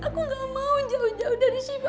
aku gak mau jauh jauh dari shiva